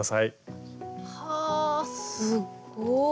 はぁすっごい。